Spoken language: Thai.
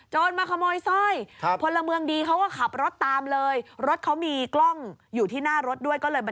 เจ้าโจรมาขโมยสร้อย